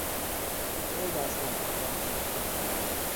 جای دستمال کاغذی